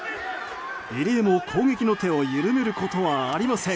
入江も攻撃の手を緩めることはありません。